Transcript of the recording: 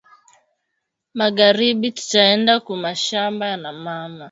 Mangaribi tutenda ku mashamba na mama